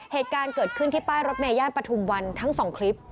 เหตุการณ์เกิดขึ้นที่ป้ายรถเมย่านปฐุมวันทั้งสองคลิป